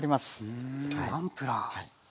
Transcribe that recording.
うんナンプラー。